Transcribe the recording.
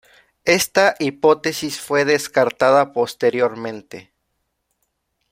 Esta hipótesis fue descartada posteriormente.